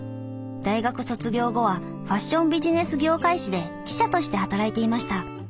大学卒業後はファッションビジネス業界紙で記者として働いていました。